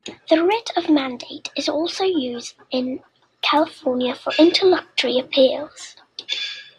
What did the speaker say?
The writ of mandate is also used in California for interlocutory appeals.